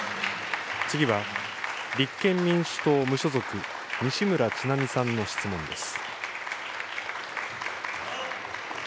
次は、立憲民主党・無所属、西村智奈美さんの質問です。